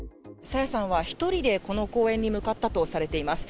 朝芽さんは１人でこの公園に向かったとされています。